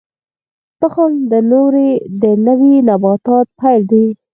تخم د نوي نبات پیل دی